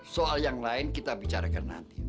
soal yang lain kita bicarakan nanti